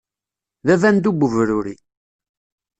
D abandu n ubruri.